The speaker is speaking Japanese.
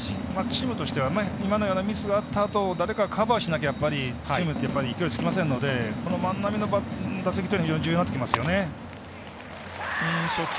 チームとしては今のようなミスがあったあと誰かカバーしなきゃチームって勢いつきませんので万波の打席は非常に重要になってきますよね。